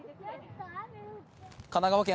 神奈川県